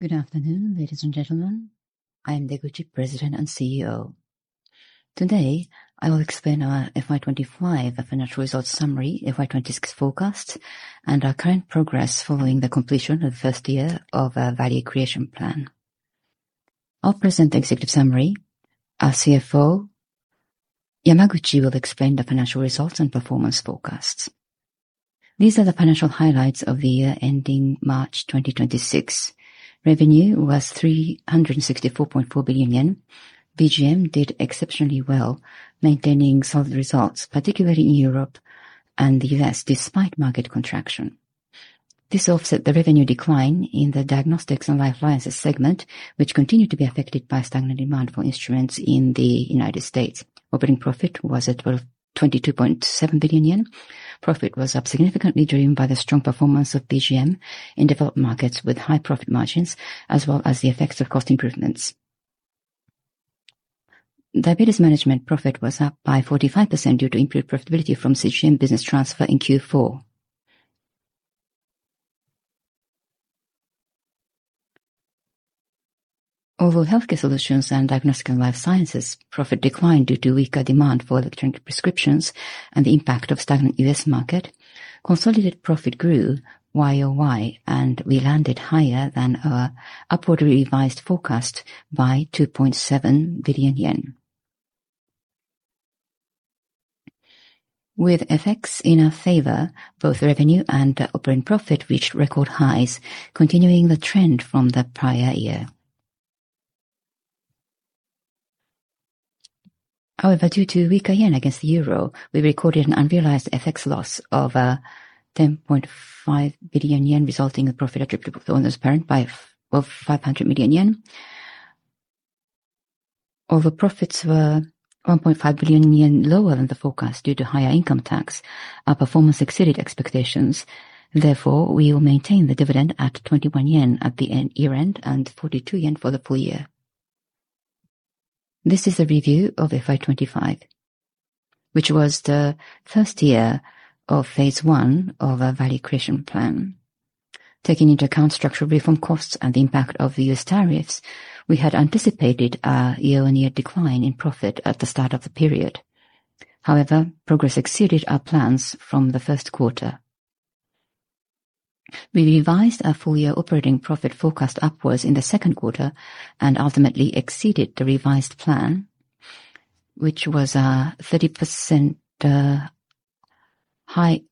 Good afternoon, ladies and gentlemen. I am Deguchi, President and CEO. Today, I will explain our FY 2025 financial results summary, FY 2026 forecasts, and our current progress following the completion of the first year of our value creation plan. I'll present the executive summary. Our CFO Yamaguchi will explain the financial results and performance forecasts. These are the financial highlights of the year ending March 2026. Revenue was 364.4 billion yen. BGM did exceptionally well, maintaining solid results, particularly in Europe and the U.S., despite market contraction. This offset the revenue decline in the Diagnostics and Life Sciences segment, which continued to be affected by stagnant demand for instruments in the United States. Operating profit was 22.7 billion yen. Profit was up significantly, driven by the strong performance of BGM in developed markets with high profit margins, as well as the effects of cost improvements. Diabetes Management profit was up by 45% due to improved profitability from CGM business transfer in Q4. Although Healthcare Solutions and Diagnostics and Life Sciences profit declined due to weaker demand for electronic prescriptions and the impact of stagnant U.S. market, consolidated profit grew Y-o-Y, and we landed higher than our upward revised forecast by 2.7 billion yen. With FX in our favor, both revenue and operating profit reached record highs, continuing the trend from the prior year. However, due to weaker JPY against the EUR, we recorded an unrealized FX loss of 10.5 billion yen, resulting in profit attributable to owners parent of 500 million yen. Although profits were 1.5 billion yen lower than the forecast due to higher income tax, our performance exceeded expectations. Therefore, we will maintain the dividend at 21 yen at year-end and 42 yen for the full year. This is a review of FY 2025, which was the first year of phase I of our Value Creation Plan. Taking into account structural reform costs and the impact of the U.S. tariffs, we had anticipated a year-on-year decline in profit at the start of the period. Progress exceeded our plans from the Q1. We revised our full year operating profit forecast upwards in the Q2 and ultimately exceeded the revised plan, which was 30% higher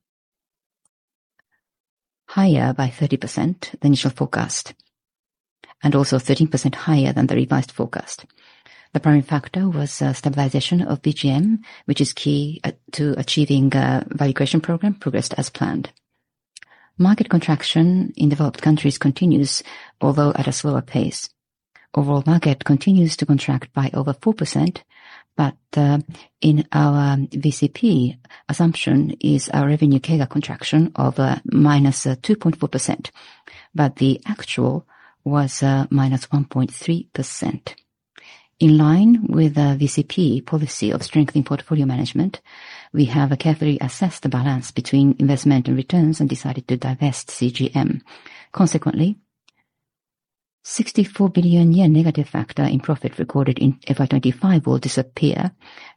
by 30% than initial forecast, and also 13% higher than the revised forecast. The primary factor was stabilization of BGM, which is key to achieving Value Creation Program progressed as planned. Market contraction in developed countries continues, although at a slower pace. Overall market continues to contract by over 4%, but in our VCP assumption is our revenue CAGR contraction of -2.4%, but the actual was -1.3%. In line with the VCP policy of strengthening portfolio management, we have carefully assessed the balance between investment and returns and decided to divest CGM. Consequently, 64 billion yen negative factor in profit recorded in FY 2025 will disappear,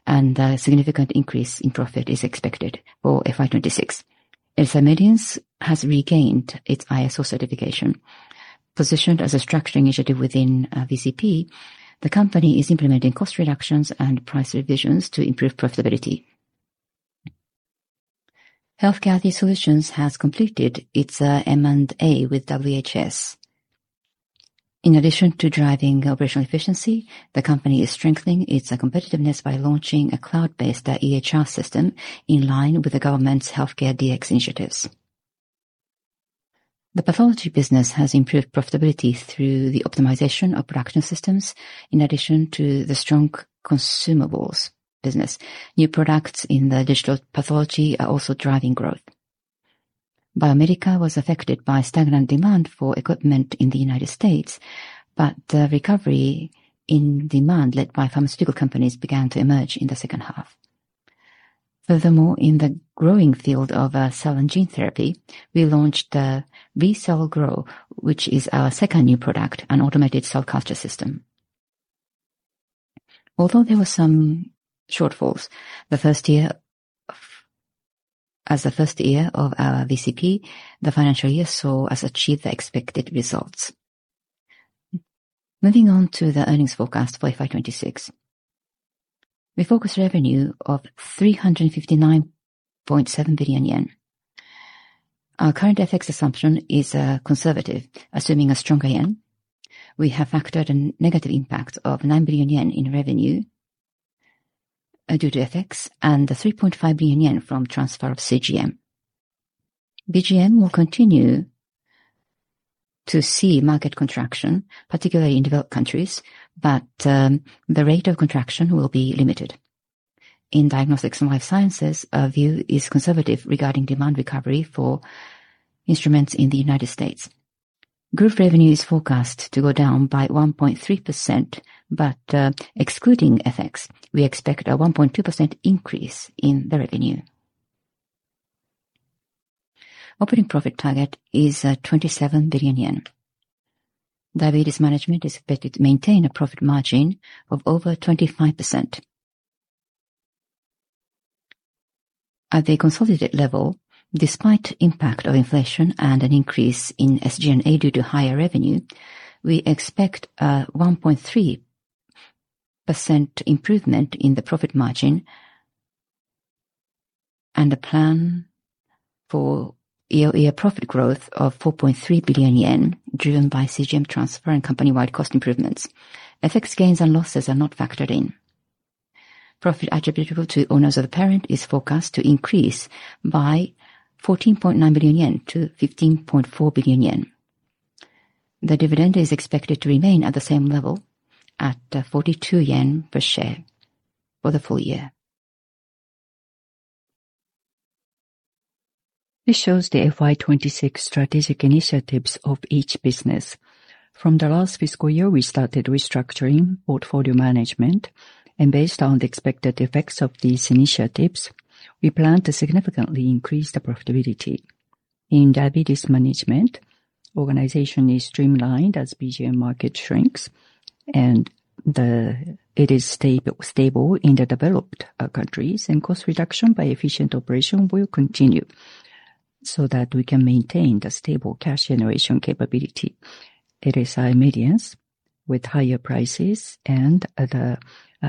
and a significant increase in profit is expected for FY 2026. LSI Medience has regained its ISO certification. Positioned as a structural initiative within VCP, the company is implementing cost reductions and price revisions to improve profitability. Healthcare IT Solutions has completed its M&A with WHS. In addition to driving operational efficiency, the company is strengthening its competitiveness by launching a cloud-based EHR system in line with the government's healthcare DX initiatives. The pathology business has improved profitability through the optimization of production systems in addition to the strong consumables business. New products in the digital pathology are also driving growth. Biomedical was affected by stagnant demand for equipment in the U.S., but recovery in demand led by pharmaceutical companies began to emerge in the H2. Furthermore, in the growing field of cell and gene therapy, we launched the LiCellGrow, which is our second new product, an automated cell culture system. Although there were some shortfalls, as the first year of our VCP, the financial year saw us achieve the expected results. Moving on to the earnings forecast for FY 2026. We forecast revenue of 359.7 billion yen. Our current FX assumption is conservative, assuming a stronger yen. We have factored a negative impact of 9 billion yen in revenue due to FX and 3.5 billion yen from transfer of CGM. BGM will continue to see market contraction, particularly in developed countries, the rate of contraction will be limited. In Diagnostics and Life Sciences, our view is conservative regarding demand recovery for instruments in the U.S. Group revenue is forecast to go down by 1.3%, excluding FX, we expect a 1.2% increase in the revenue. Operating profit target is 27 billion yen. Diabetes Management is expected to maintain a profit margin of over 25%. At the consolidated level, despite impact of inflation and an increase in SG&A due to higher revenue, we expect a 1.3% improvement in the profit margin and a plan for year-over-year profit growth of 4.3 billion yen driven by CGM transfer and company-wide cost improvements. FX gains and losses are not factored in. Profit attributable to owners of the parent is forecast to increase by 14.9 billion-15.4 billion yen. The dividend is expected to remain at the same level at 42 yen per share for the full year. This shows the FY 2026 strategic initiatives of each business. From the last fiscal year, we started restructuring portfolio management, and based on the expected effects of these initiatives, we plan to significantly increase the profitability. In Diabetes Management, organization is streamlined as BGM market shrinks and it is stable in the developed countries and cost reduction by efficient operation will continue so that we can maintain the stable cash generation capability. LSI Medience with higher prices and the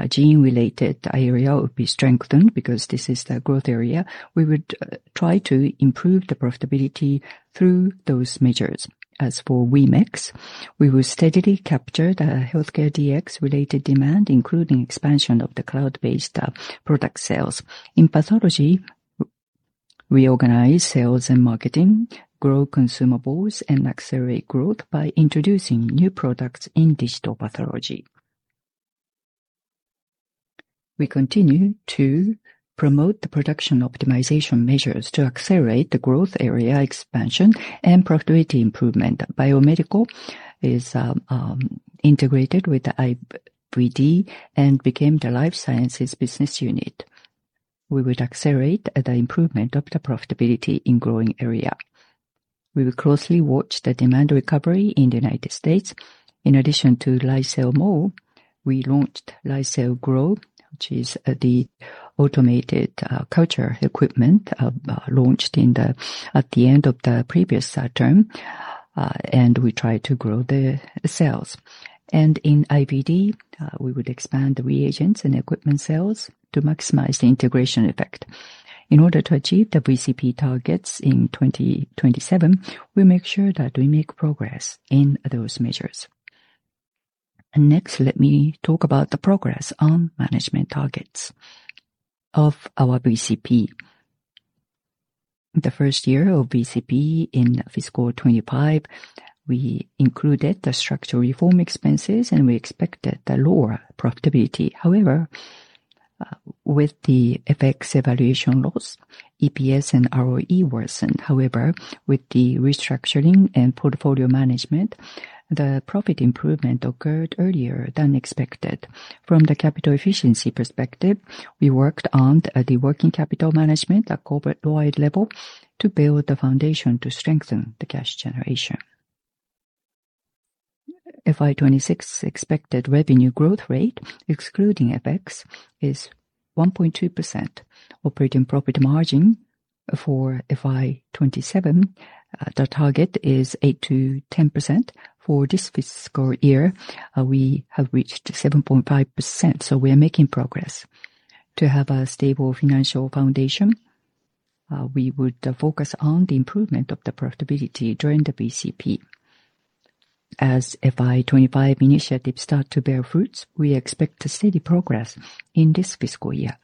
gene-related area will be strengthened because this is the growth area. We would try to improve the profitability through those measures. As for Wemex, we will steadily capture the healthcare DX related demand, including expansion of the cloud-based product sales. In pathology, reorganize sales and marketing, grow consumables, and accelerate growth by introducing new products in digital pathology. We continue to promote the production optimization measures to accelerate the growth area expansion and profitability improvement. Biomedical is integrated with IVD and became the life sciences business unit. We will accelerate the improvement of the profitability in growing area. We will closely watch the demand recovery in the United States. In addition to LiCellMo, we launched LiCellGrow, which is the automated culture equipment launched at the end of the previous term, and we try to grow the cells. In IVD, we would expand the reagents and equipment sales to maximize the integration effect. In order to achieve the VCP targets in 2027, we make sure that we make progress in those measures. Next, let me talk about the progress on management targets of our VCP. The first year of VCP in fiscal 2025, we included the structural reform expenses, and we expected a lower profitability. However, with the FX evaluation loss, EPS and ROE worsened. However, with the restructuring and portfolio management, the profit improvement occurred earlier than expected. From the capital efficiency perspective, we worked on the working capital management at corporate-wide level to build the foundation to strengthen the cash generation. FY 2026 expected revenue growth rate, excluding FX, is 1.2%. Operating profit margin for FY 2027, the target is 8%-10%. For this fiscal year, we have reached 7.5%. We are making progress. To have a stable financial foundation, we would focus on the improvement of the profitability during the VCP. As FY 2025 initiatives start to bear fruits, we expect a steady progress in this FY.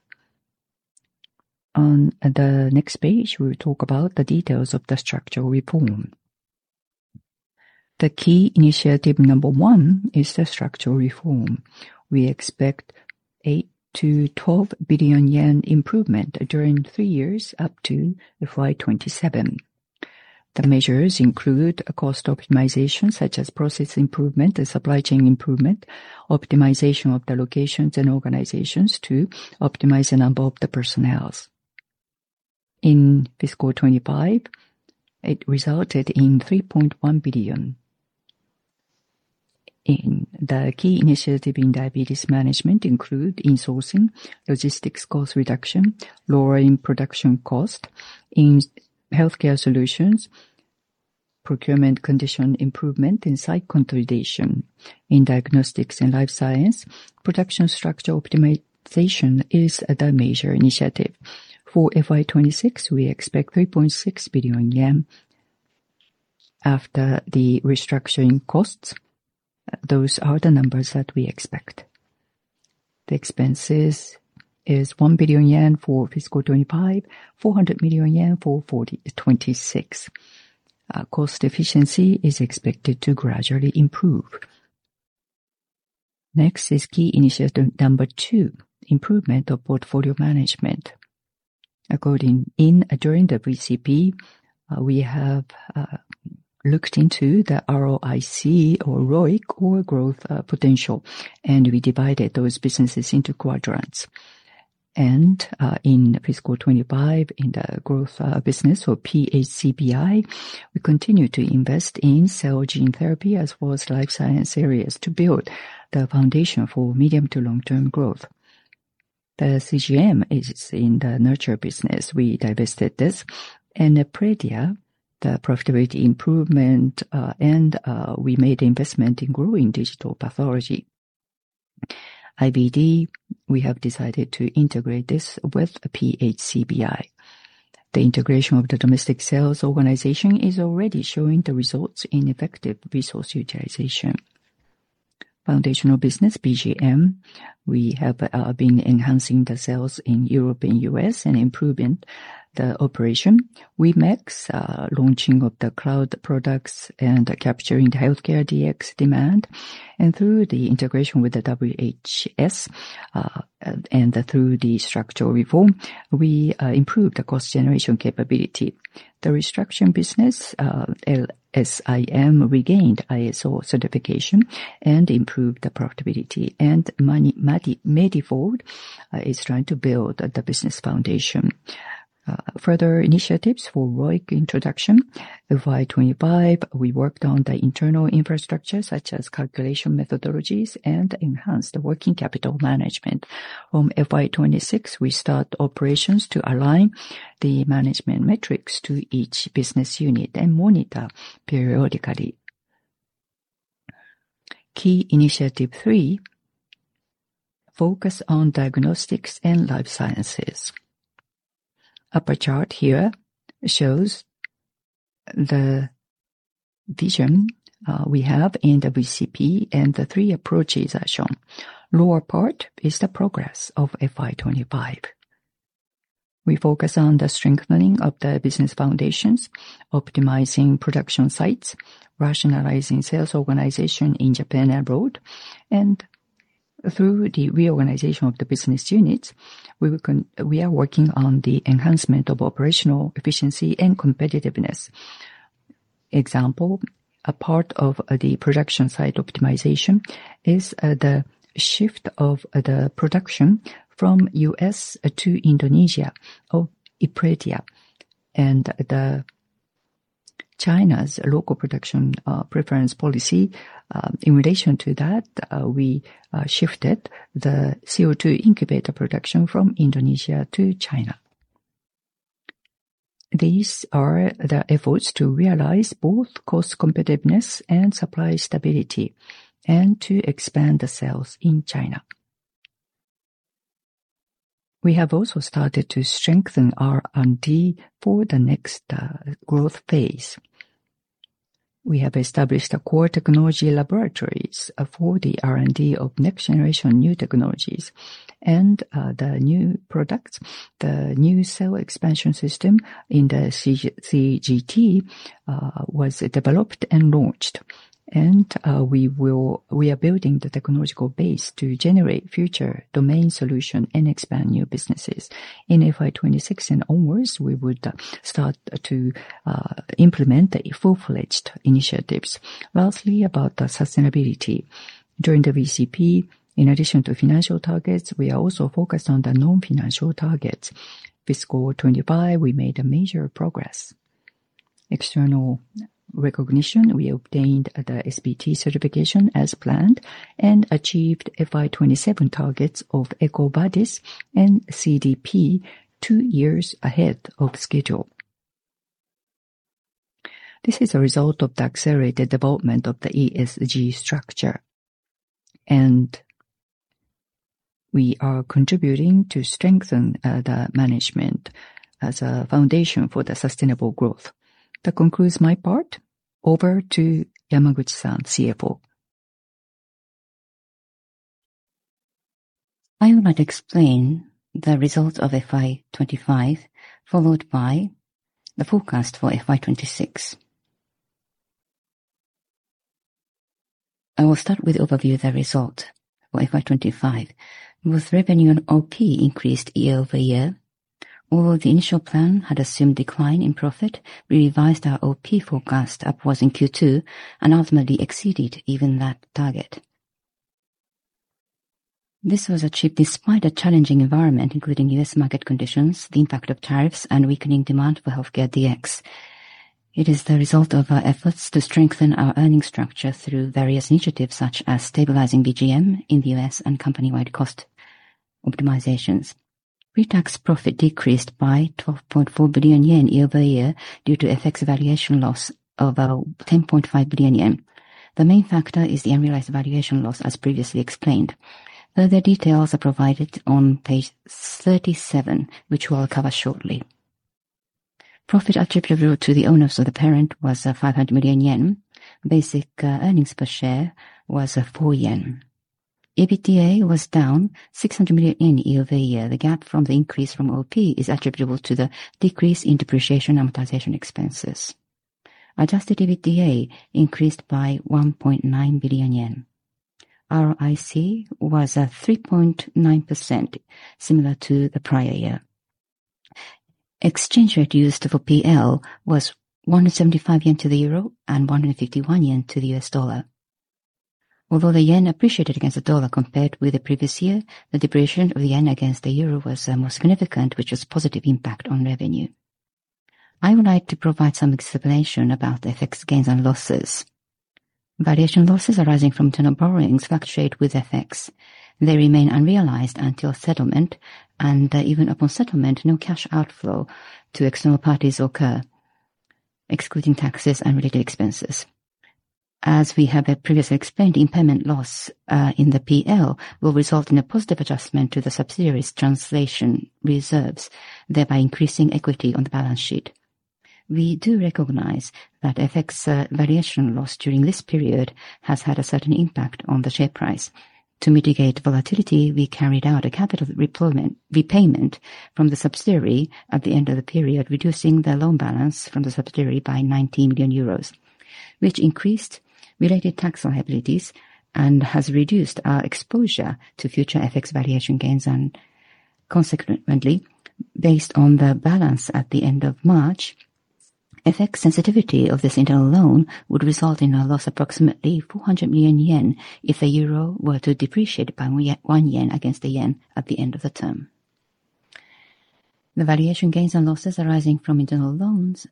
On the next page, we will talk about the details of the structural reform. The key initiative number one is the structural reform. We expect eight to 12 billion yen improvement during three years up to FY 2027. The measures include a cost optimization such as process improvement, the supply chain improvement, optimization of the locations and organizations to optimize the number of the personnels. In fiscal 2025, it resulted in 3.1 JPY billion. In the key initiative in Diabetes Management include insourcing, logistics cost reduction, lowering production cost. In Healthcare Solutions, procurement condition improvement and site consolidation. In Diagnostics and Life Sciences, production structure optimization is the major initiative. For FY 2026, we expect 3.6 billion yen after the restructuring costs. Those are the numbers that we expect. The expenses is 1 billion yen for fiscal 2025, 400 million yen for 2026. Cost efficiency is expected to gradually improve. Next is key initiative number two, improvement of portfolio management. During the VCP, we have looked into the ROIC or ROIC or growth potential, we divided those businesses into quadrants. In fiscal 2025, in the growth business or PHCbi, we continue to invest in cell and gene therapy as well as life science areas to build the foundation for medium to long-term growth. The CGM is in the nurture business. We divested this. In Epredia, the profitability improvement, we made investment in growing digital pathology. IVD, we have decided to integrate this with PHCbi. The integration of the domestic sales organization is already showing the results in effective resource utilization. Foundational business, BGM, we have been enhancing the sales in Europe and U.S. and improving the operation. Wemex, launching of the cloud products and capturing the healthcare DX demand. Through the integration with the WHS, and through the structural reform, we improved the cost generation capability. The restructuring business, LSIM regained ISO certification and improved the profitability. Mediford is trying to build the business foundation. Further initiatives for ROIC introduction. The FY 2025, we worked on the internal infrastructure, such as calculation methodologies and enhanced working capital management. From FY 2026, we start operations to align the management metrics to each business unit and monitor periodically. Key initiative three, focus on Diagnostics and Life Sciences. Upper chart here shows the vision we have in VCP, and the three approaches are shown. Lower part is the progress of FY 2025. We focus on the strengthening of the business foundations, optimizing production sites, rationalizing sales organization in Japan and abroad. Through the reorganization of the business units, we are working on the enhancement of operational efficiency and competitiveness. Example, a part of the production site optimization is the shift of the production from U.S. to Indonesia of Epredia. The China's local production preference policy, in relation to that, we shifted the CO2 incubator production from Indonesia to China. These are the efforts to realize both cost competitiveness and supply stability and to expand the sales in China. We have also started to strengthen R&D for the next growth phase. We have established a core technology laboratories for the R&D of next generation new technologies. The new products, the new cell expansion system in the CGT was developed and launched. We are building the technological base to generate future domain solution and expand new businesses. In FY 2026 and onwards, we would start to implement the full-fledged initiatives. Lastly, about the sustainability. During the VCP, in addition to financial targets, we are also focused on the non-financial targets. Fiscal 2025, we made a major progress. External recognition, we obtained the SBT certification as planned and achieved FY 2027 targets of EcoVadis and CDP two years ahead of schedule. This is a result of the accelerated development of the ESG structure. We are contributing to strengthen the management as a foundation for the sustainable growth. That concludes my part. Over to Yamaguchi-san, CFO. I will now explain the results of FY 2025, followed by the forecast for FY 2026. I will start with overview the result for FY 2025. Both revenue and OP increased year-over-year. Although the initial plan had assumed decline in profit, we revised our OP forecast upwards in Q2 and ultimately exceeded even that target. This was achieved despite a challenging environment, including U.S. market conditions, the impact of tariffs, and weakening demand for healthcare DX. It is the result of our efforts to strengthen our earnings structure through various initiatives, such as stabilizing BGM in the U.S. and company-wide cost optimizations. Pre-tax profit decreased by 12.4 billion yen year-over-year due to FX valuation loss of 10.5 billion yen. The main factor is the unrealized valuation loss, as previously explained. Further details are provided on page 37, which we'll cover shortly. Profit attributable to the owners of the parent was 500 million yen. Basic earnings per share was 4 yen. EBITDA was down 600 million yen year-over-year. The gap from the increase from OP is attributable to the decrease in depreciation amortization expenses. Adjusted EBITDA increased by 1.9 billion yen. ROIC was at 3.9%, similar to the prior year. Exchange rate used for PL was ¥175 to the euro and ¥151 to the U.S. dollar. Although the yen appreciated against the dollar compared with the previous year, the depreciation of the yen against the euro was more significant, which was positive impact on revenue. I would like to provide some explanation about FX gains and losses. Valuation losses arising from internal borrowings fluctuate with FX. They remain unrealized until settlement, and even upon settlement, no cash outflow to external parties occur, excluding taxes and related expenses. As we have previously explained, impairment loss in the PL will result in a positive adjustment to the subsidiary's translation reserves, thereby increasing equity on the balance sheet. We do recognize that FX valuation loss during this period has had a certain impact on the share price. To mitigate volatility, we carried out a capital repayment from the subsidiary at the end of the period, reducing the loan balance from the subsidiary by 19 million euros, which increased related tax liabilities and has reduced our exposure to future FX valuation gains. Consequently, based on the balance at the end of March, FX sensitivity of this internal loan would result in a loss approximately ¥400 million if the euro were to depreciate by 1 yen against the yen at the end of the term. The valuation gains and losses arising from internal loans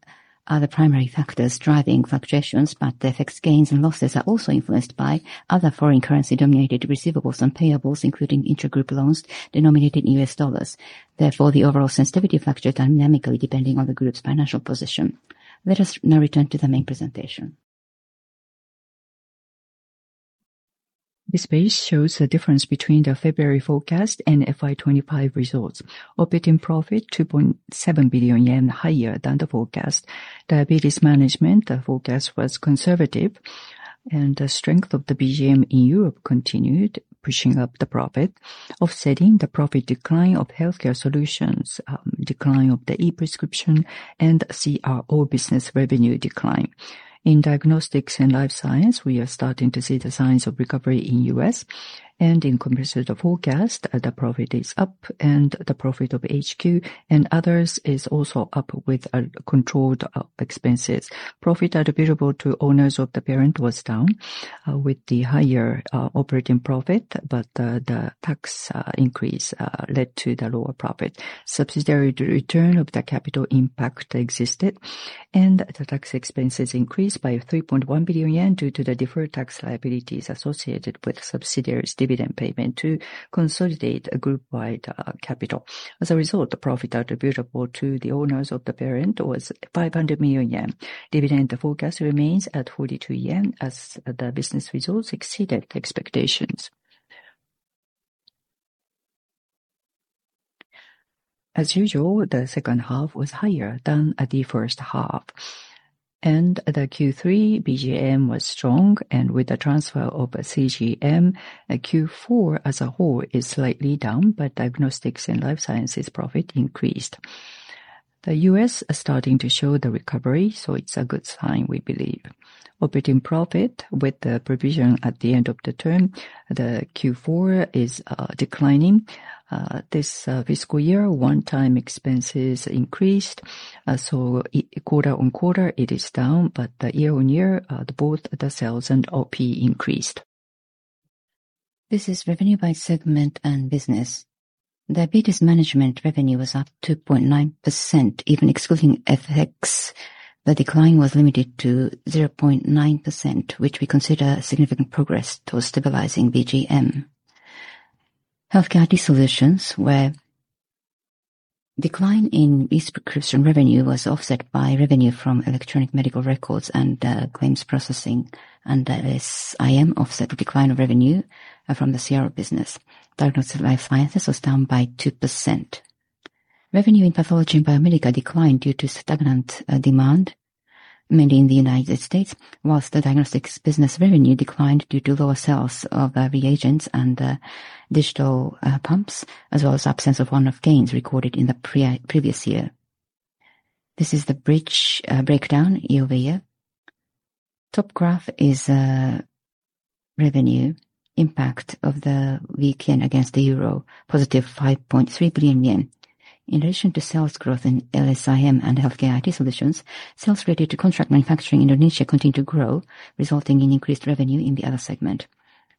are the primary factors driving fluctuations, but the FX gains and losses are also influenced by other foreign currency denominated receivables and payables, including intragroup loans denominated in U.S. dollars. Therefore, the overall sensitivity fluctuate dynamically depending on the group's financial position. Let us now return to the main presentation. This page shows the difference between the February forecast and FY 2025 results. Operating profit, 2.7 billion yen higher than the forecast. Diabetes Management, the forecast was conservative, and the strength of the BGM in Europe continued pushing up the profit, offsetting the profit decline of Healthcare Solutions, decline of the e-prescription and CRO business revenue decline. In Diagnostics and Life Sciences, we are starting to see the signs of recovery in the U.S. In comparison to the forecast, the profit is up, and the profit of HQ and others is also up with controlled expenses. Profit attributable to owners of the parent was down with the higher operating profit. The tax increase led to the lower profit. Subsidiary return of the capital impact existed, and the tax expenses increased by 3.1 billion yen due to the deferred tax liabilities associated with subsidiaries' dividend payment to consolidate a group-wide capital. As a result, the profit attributable to the owners of the parent was 500 million yen. Dividend forecast remains at 42 yen as the business results exceeded expectations. As usual, the H2 was higher than the H1. The Q3 BGM was strong. With the transfer of CGM, Q4 as a whole is slightly down, but Diagnostics and Life Sciences profit increased. The U.S. are starting to show the recovery, so it's a good sign, we believe. Operating profit with the provision at the end of the term, the Q4 is declining. This fiscal year, one-time expenses increased. Quarter-on-quarter it is down, but year-on-year, both the sales and OP increased. This is revenue by segment and business. Diabetes Management revenue was up 2.9%. Even excluding FX, the decline was limited to 0.9%, which we consider significant progress towards stabilizing BGM. Healthcare IT Solutions were Decline in e-prescription revenue was offset by revenue from electronic medical records and claims processing. The LSIM offset the decline of revenue from the CRO business. Diagnostics and Life Sciences was down by 2%. Revenue in pathology and Biomedical declined due to stagnant demand, mainly in the United States. Whilst the diagnostics business revenue declined due to lower sales of reagents and digital pumps, as well as absence of one-off gains recorded in the previous year. This is the bridge breakdown year-over-year. Top graph is revenue impact of the weak yen against the euro, positive 5.3 billion yen. In addition to sales growth in LSIM and Healthcare IT Solutions, sales related to contract manufacturing Indonesia continue to grow, resulting in increased revenue in the other segment.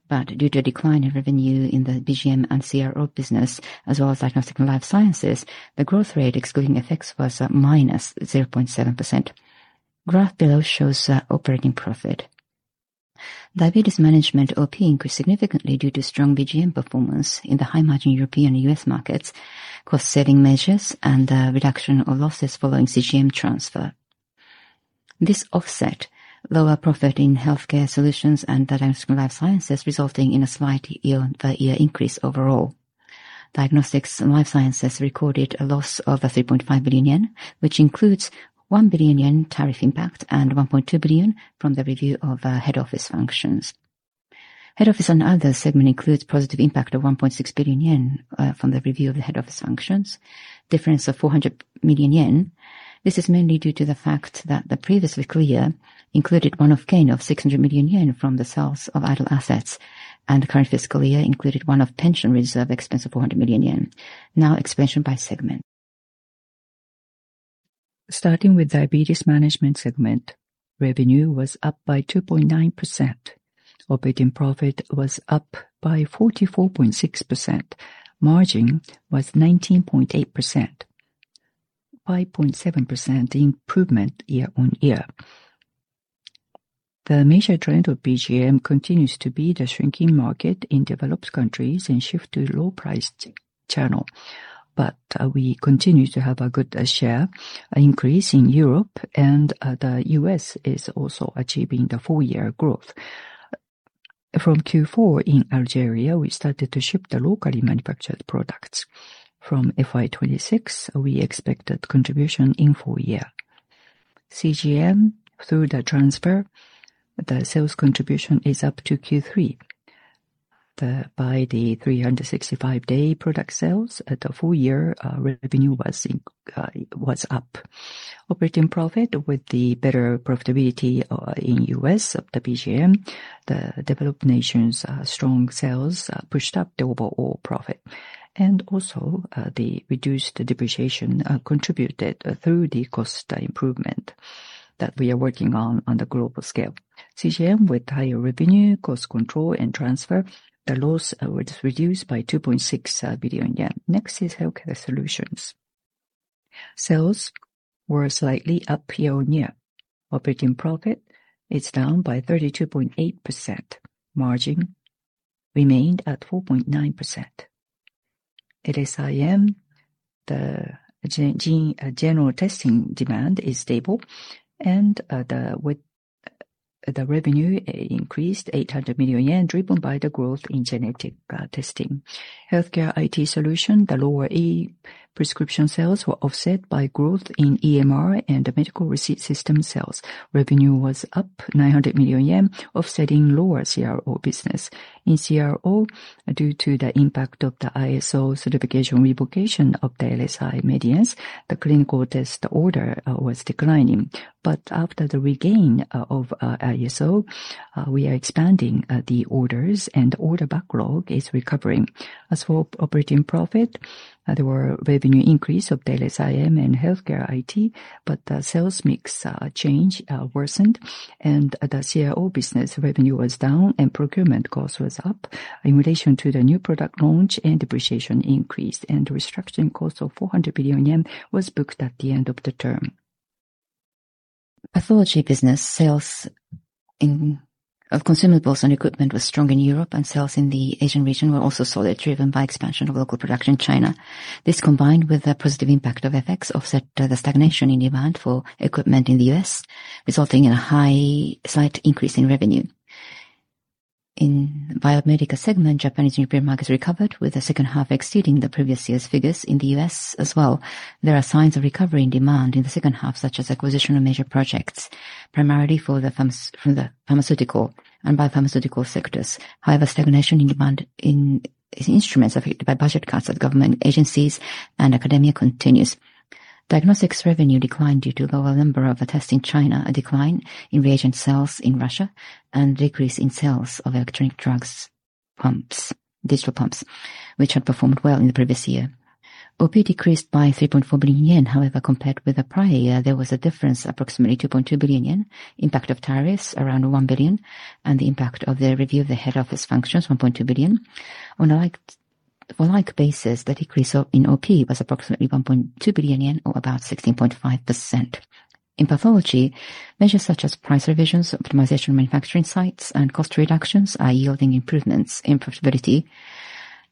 Due to a decline in revenue in the BGM and CRO business, as well as Diagnostics and Life Sciences, the growth rate excluding FX was minus 0.7%. Graph below shows operating profit. Diabetes Management OP increased significantly due to strong BGM performance in the high-margin European and U.S. markets, cost-saving measures and reduction of losses following CGM transfer. This offset lower profit in Healthcare Solutions and Diagnostics and Life Sciences, resulting in a slight year-on-year increase overall. Diagnostics and Life Sciences recorded a loss of 3.5 billion yen, which includes 1 billion yen tariff impact and 1.2 billion from the review of head office functions. Head office and others segment includes positive impact of 1.6 billion yen from the review of the head office functions. Difference of 400 million yen. This is mainly due to the fact that the previous fiscal year included one-off gain of 600 million yen from the sales of idle assets, and the current fiscal year included one-off pension reserve expense of 400 million yen. Explanation by segment. Starting with Diabetes Management segment, revenue was up by 2.9%. Operating profit was up by 44.6%. Margin was 19.8%, 5.7% improvement year-on-year. We continue to have a good share, an increase in Europe and the U.S. is also achieving the full year growth. From Q4 in Algeria, we started to ship the locally manufactured products. From FY 2026, we expect that contribution in full year. CGM through the transfer, the sales contribution is up to Q3. By the 365-day product sales at the full year, revenue was up. Operating profit with the better profitability in U.S. of the BGM, the developed nations, strong sales pushed up the overall profit. The reduced depreciation contributed through the cost improvement that we are working on on the global scale. CGM with higher revenue, cost control and transfer, the loss was reduced by 2.6 billion yen. Next is Healthcare Solutions. Sales were slightly up year-on-year. Operating profit is down by 32.8%. Margin remained at 4.9%. At LSIM, the general testing demand is stable and, with the revenue increased 800 million yen, driven by the growth in genetic testing. Healthcare IT Solutions, the lower e-prescription sales were offset by growth in EMR and the medical receipt system sales. Revenue was up 900 million yen, offsetting lower CRO business. In CRO, due to the impact of the ISO certification revocation of the LSI Medience, the clinical test order was declining. After the regain of ISO, we are expanding the orders and order backlog is recovering. As for operating profit, there were revenue increase of the LSIM and Healthcare IT, but the sales mix change worsened and the CRO business revenue was down and procurement cost was up. In relation to the new product launch and depreciation increase and restructuring cost of 400 billion yen was booked at the end of the term. Pathology business sales of consumables and equipment was strong in Europe, and sales in the Asian region were also solid, driven by expansion of local production in China. This, combined with the positive impact of FX, offset the stagnation in demand for equipment in the U.S., resulting in a slight increase in revenue. In Biomedical segment, Japanese nuclear market recovered with the H2 exceeding the previous year's figures in the U.S. as well. There are signs of recovery in demand in the H2, such as acquisition of major projects, primarily from the pharmaceutical and biopharmaceutical sectors. However, stagnation in demand in instruments affected by budget cuts at government agencies and academia continues. Diagnostics revenue declined due to lower number of tests in China, a decline in reagent sales in Russia, and decrease in sales of digital pumps, which had performed well in the previous year. OP decreased by 3.4 billion yen. However, compared with the prior year, there was a difference approximately 2.2 billion yen, impact of tariffs around 1 billion, and the impact of the review of the head office functions 1.2 billion. On a like basis, the decrease in OP was approximately 1.2 billion yen or about 16.5%. In pathology, measures such as price revisions, optimization of manufacturing sites, and cost reductions are yielding improvements in profitability.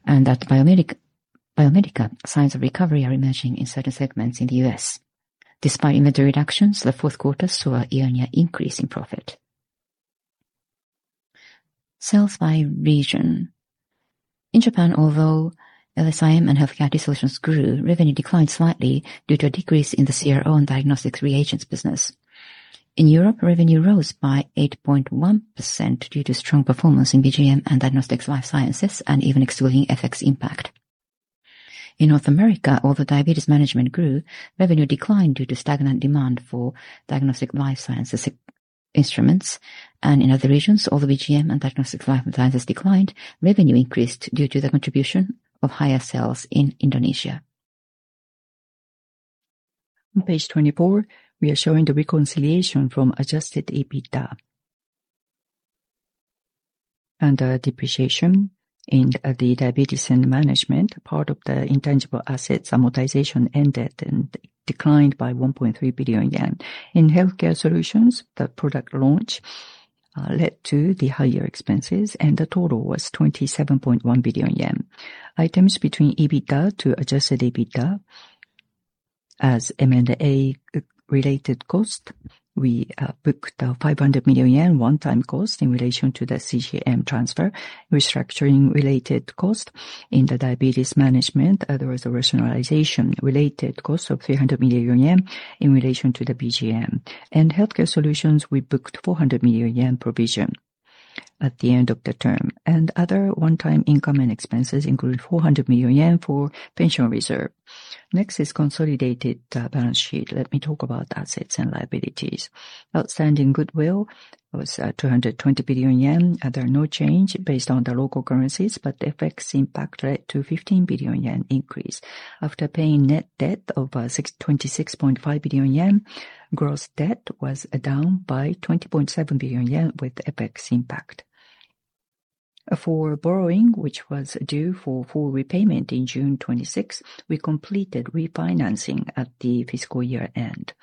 At Biomedical, signs of recovery are emerging in certain segments in the U.S. Despite image reductions, the Q4 saw a year-on-year increase in profit. Sales by region. In Japan, although LSIM and Healthcare Solutions grew, revenue declined slightly due to a decrease in the CRO and diagnostic reagents business. In Europe, revenue rose by 8.1% due to strong performance in BGM and Diagnostics and Life Sciences and even excluding FX impact. In North America, although Diabetes Management grew, revenue declined due to stagnant demand for Diagnostics and Life Sciences in-instruments. In other regions, although BGM and Diagnostics and Life Sciences declined, revenue increased due to the contribution of higher sales in Indonesia. On page 24, we are showing the reconciliation from adjusted EBITDA. Under depreciation in the Diabetes and Management, part of the intangible assets amortization ended and declined by 1.3 billion yen. In Healthcare Solutions, the product launch led to the higher expenses, and the total was 27.1 billion yen. Items between EBITDA to adjusted EBITDA as M&A related cost. We booked 500 million yen one-time cost in relation to the CGM transfer, restructuring related cost in the Diabetes Management. There was a rationalization related cost of 300 million yen in relation to the BGM. In Healthcare Solutions, we booked 400 million yen provision at the end of the term. Other one-time income and expenses include 400 million yen for pension reserve. Next is consolidated balance sheet. Let me talk about assets and liabilities. Outstanding goodwill was 220 billion yen. There are no change based on the local currencies, but FX impact led to 15 billion yen increase. After paying net debt of 626.5 billion yen, gross debt was down by 20.7 billion yen with FX impact. For borrowing, which was due for full repayment in June 26, we completed refinancing at the FY-end,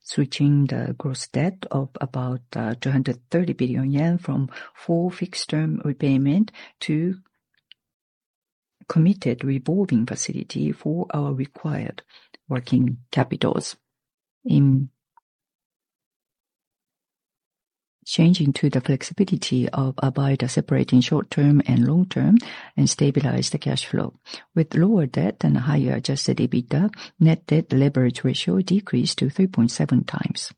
switching the gross debt of about 230 billion yen from full fixed term repayment to committed revolving facility for our required working capitals. In changing to the flexibility by separating short term and long term and stabilize the cash flow. With lower debt and higher adjusted EBITDA, net debt leverage ratio decreased to 3.7 times.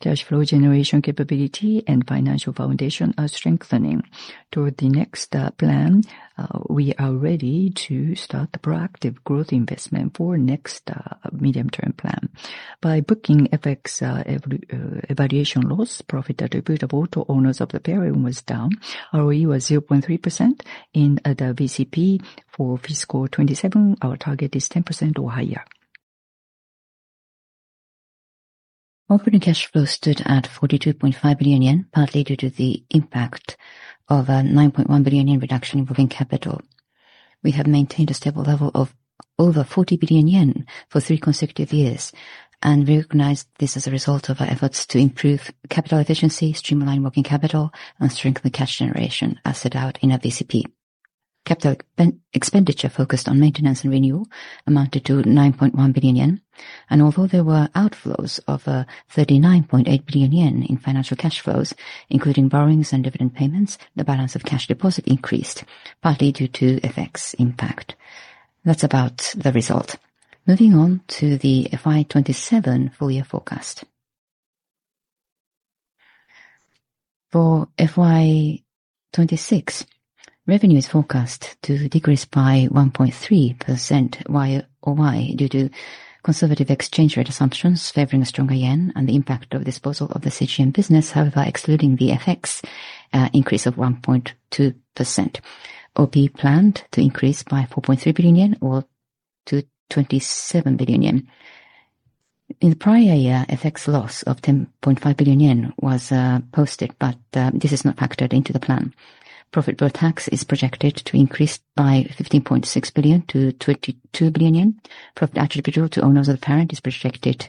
Cash flow generation capability and financial foundation are strengthening. Toward the next plan, we are ready to start the proactive growth investment for next medium-term plan. By booking FX evaluation loss, profit attributable to owners of the parent was down. ROE was 0.3% in the VCP. For fiscal 2027, our target is 10% or higher. Operating cash flow stood at 42.5 billion yen, partly due to the impact of a 9.1 billion yen reduction in working capital. We have maintained a stable level of over 40 billion yen for three consecutive years, and we recognize this as a result of our efforts to improve capital efficiency, streamline working capital, and strengthen cash generation as set out in our VCP. Capital expenditure focused on maintenance and renewal amounted to 9.1 billion yen. Although there were outflows of 39.8 billion yen in financial cash flows, including borrowings and dividend payments, the balance of cash deposit increased, partly due to FX impact. That's about the result. Moving on to the FY 2027 full year forecast. For FY 2026, revenue is forecast to decrease by 1.3% Y-o-Y due to conservative exchange rate assumptions favoring a stronger yen and the impact of disposal of the CGM business. However, excluding the FX, increase of 1.2%. OP planned to increase by 4.3 billion yen or to 27 billion yen. In the prior year, FX loss of 10.5 billion yen was posted, this is not factored into the plan. Profit pre-tax is projected to increase by 15.6 billion to 22 billion yen. Profit attributable to owners of parent is projected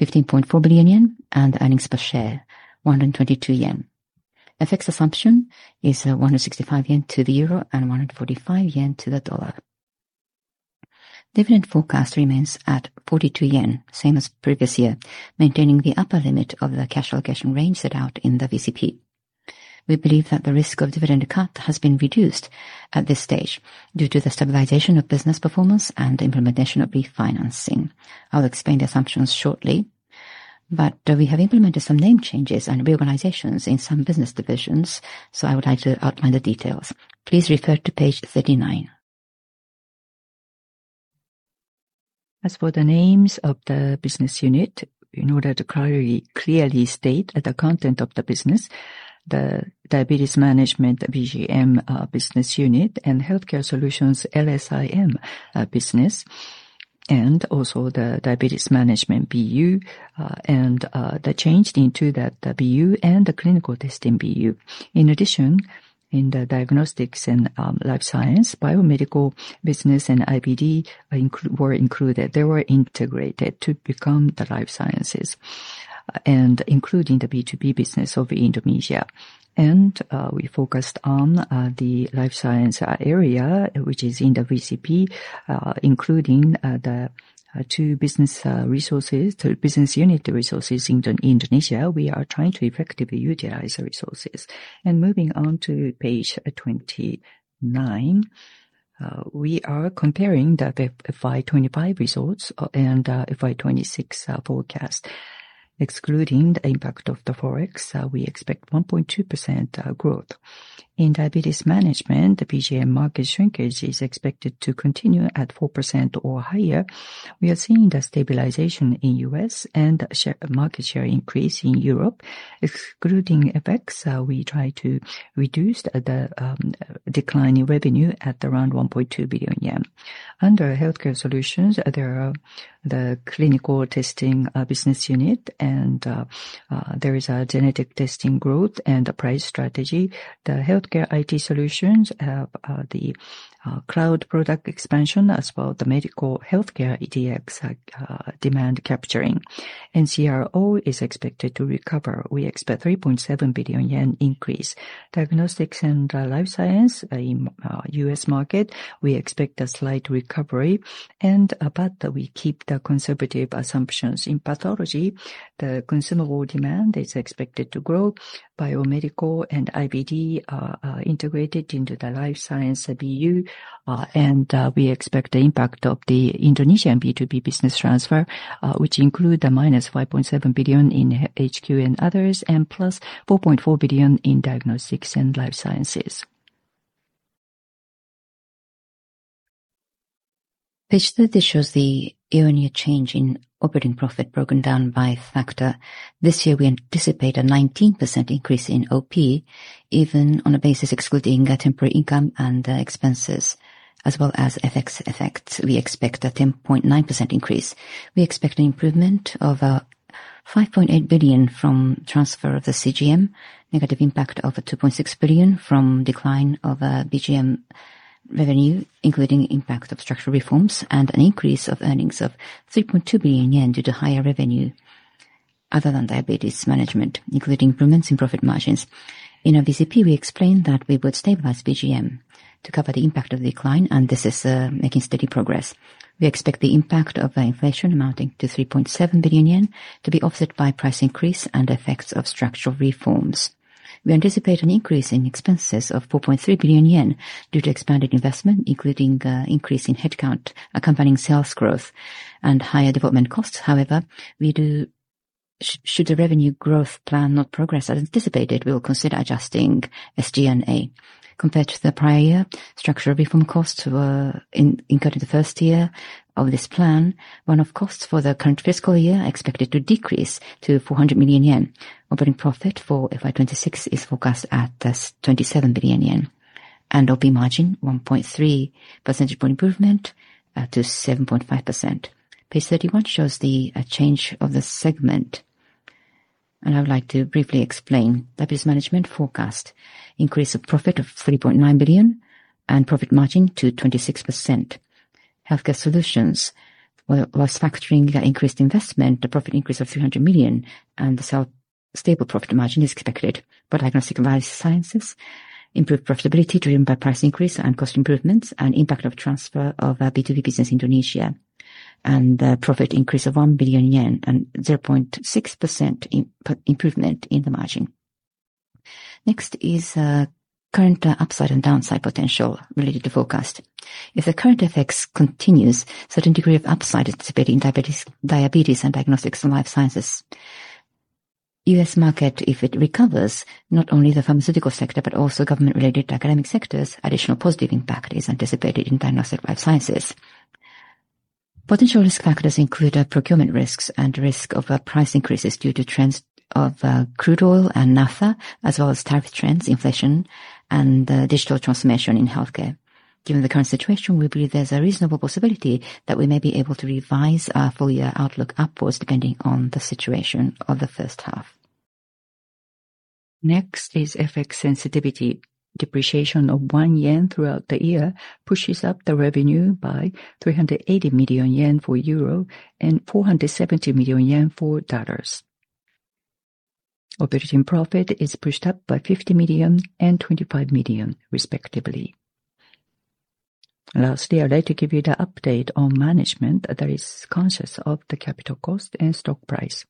15.4 billion yen, and earnings per share 122 yen. FX assumption is 165 yen to the EUR and JPY 145 to the USD. Dividend forecast remains at 42 yen, same as previous year, maintaining the upper limit of the cash allocation range set out in the VCP. We believe that the risk of dividend cut has been reduced at this stage due to the stabilization of business performance and the implementation of refinancing. I'll explain the assumptions shortly. We have implemented some name changes and reorganizations in some business divisions, so I would like to outline the details. Please refer to page 39. As for the names of the business unit, in order to clearly state the content of the business, the Diabetes Management, BGM business unit, and Healthcare Solutions, LSIM business, and also the Diabetes Management BU, and they changed into the BU and the Clinical Testing BU. In addition, in the Diagnostics and Life Sciences, Biomedical business and IVD were included. They were integrated to become the Diagnostics and Life Sciences and including the B2B business of Indonesia. We focused on the Diagnostics and Life Sciences area, which is in the VCP, including the two business resources, the business unit resources in Indonesia. We are trying to effectively utilize the resources. Moving on to page 29. We are comparing the FY 2025 results and FY 2026 forecast. Excluding the impact of the Forex, we expect 1.2% growth. In Diabetes Management, the BGM market shrinkage is expected to continue at 4% or higher. We are seeing the stabilization in U.S. and market share increase in Europe. Excluding FX, we try to reduce the decline in revenue at around 1.2 billion yen. Under Healthcare Solutions, there are the clinical testing business unit and there is a genetic testing growth and a price strategy. The Healthcare IT Solutions have the cloud product expansion as well the medical healthcare DX demand capturing. CRO is expected to recover. We expect 3.7 billion yen increase. Diagnostics and Life Sciences in U.S. market, we expect a slight recovery and about we keep the conservative assumptions. In pathology, the consumable demand is expected to grow. Biomedical and IVD are integrated into the Life Sciences BU, and we expect the impact of the Indonesian B2B business transfer, which include the minus 5.7 billion in HQ and others and plus 4.4 billion in Diagnostics and Life Sciences. Page 30 shows the year-on-year change in operating profit broken down by factor. This year, we anticipate a 19% increase in OP, even on a basis excluding temporary income and expenses as well as FX effects. We expect a 10.9% increase. We expect an improvement of 5.8 billion from transfer of the CGM, negative impact of 2.6 billion from decline of BGM revenue, including impact of structural reforms and an increase of earnings of 3.2 billion yen due to higher revenue other than Diabetes Management, including improvements in profit margins. In our VCP, we explained that we would stabilize BGM to cover the impact of decline, and this is making steady progress. We expect the impact of inflation amounting to 3.7 billion yen to be offset by price increase and effects of structural reforms. We anticipate an increase in expenses of 4.3 billion yen due to expanded investment, including increase in headcount, accompanying sales growth and higher development costs. However, should the revenue growth plan not progress as anticipated, we will consider adjusting SG&A. Compared to the prior year, structural reform costs were incurred in the first year of this plan. One-off costs for the current FY are expected to decrease to 400 million yen. Operating profit for FY 2026 is forecast at 27 billion yen and OP margin 1.3 percentage point improvement to 7.5%. Page 31 shows the change of the segment, and I would like to briefly explain. Diabetes Management forecast increase of profit of 3.9 billion and profit margin to 26%. Healthcare Solutions, whilst factoring the increased investment, the profit increase of 300 million and the sale stable profit margin is expected. For Diagnostics and Life Sciences, improved profitability driven by price increase and cost improvements and impact of transfer of our B2B business Indonesia and the profit increase of 1 billion yen and 0.6% improvement in the margin. Next is current upside and downside potential related to forecast. If the current effects continues, certain degree of upside anticipated in diabetes and Diagnostics and Life Sciences. U.S. market, if it recovers, not only the pharmaceutical sector but also government-related academic sectors, additional positive impact is anticipated in Diagnostics and Life Sciences. Potential risk factors include procurement risks and risk of price increases due to trends of crude oil and naphtha, as well as tariff trends, inflation, and digital transformation in healthcare. Given the current situation, we believe there's a reasonable possibility that we may be able to revise our full year outlook upwards depending on the situation of the H1. Next is FX sensitivity. Depreciation of 1 yen throughout the year pushes up the revenue by 380 million yen for EUR and JPY 470 million for USD. Operating profit is pushed up by 50 million and 25 million, respectively. Lastly, I'd like to give you the update on management that is conscious of the capital cost and stock price.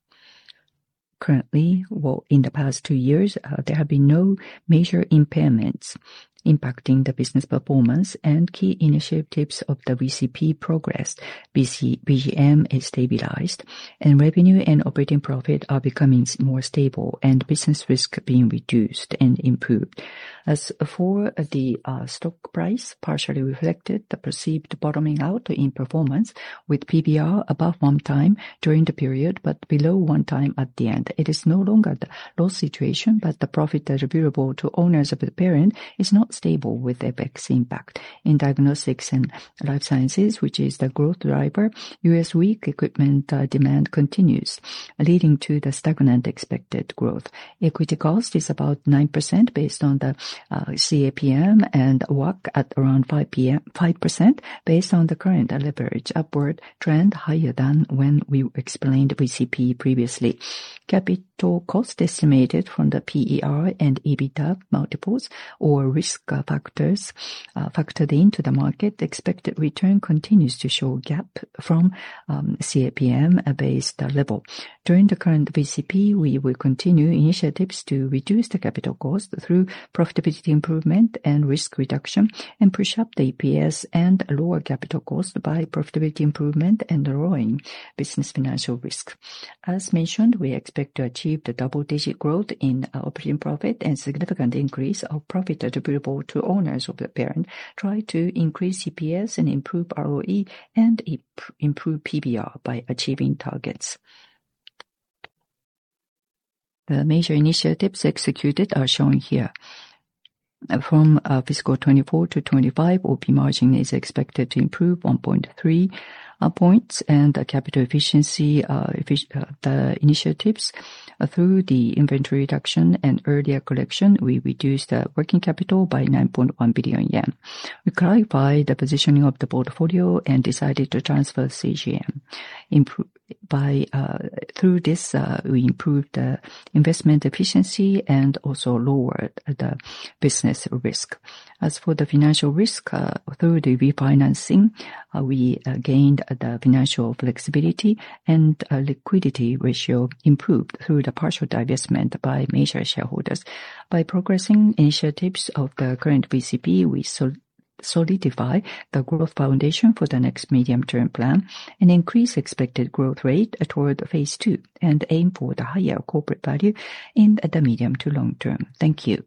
Currently, well, in the past two years, there have been no major impairments impacting the business performance and key initiatives of the VCP progress. BGM is stabilized and revenue and operating profit are becoming more stable and business risk being reduced and improved. As for the stock price, partially reflected the perceived bottoming out in performance with PBR above 1 time during the period, but below 1 time at the end. It is no longer the loss situation, the profit attributable to owners of the parent is not stable with FX impact. In Diagnostics and Life Sciences, which is the growth driver, U.S. weak equipment demand continues, leading to the stagnant expected growth. Equity cost is about 9% based on the CAPM and WACC at around 5% based on the current leverage upward trend higher than when we explained VCP previously. Capital cost estimated from the PER and EBITDA multiples or risk factors factored into the market. Expected return continues to show gap from CAPM-based level. During the current VCP, we will continue initiatives to reduce the capital cost through profitability improvement and risk reduction and push up the EPS and lower capital cost by profitability improvement and lowering business financial risk. As mentioned, we expect to achieve the double-digit growth in our operating profit and significant increase of profit attributable to owners of the parent, try to increase EPS and improve ROE and improve PBR by achieving targets. The major initiatives executed are shown here. From fiscal 2024 to 2025, OP margin is expected to improve 1.3 points and the capital efficiency, the initiatives through the inventory reduction and earlier collection, we reduced the working capital by 9.1 billion yen. We clarified the positioning of the portfolio and decided to transfer CGM. Through this, we improved the investment efficiency and also lowered the business risk. As for the financial risk, through the refinancing, we gained the financial flexibility and liquidity ratio improved through the partial divestment by major shareholders. By progressing initiatives of the current VCP, we solidify the growth foundation for the next medium-term plan and increase expected growth rate toward phase two and aim for the higher corporate value in the medium to long term. Thank you.